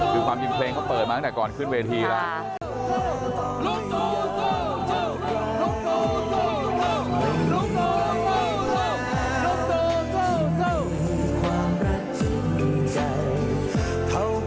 คือความจริงเพลงเขาเปิดมาตั้งแต่ก่อนขึ้นเวทีแล้ว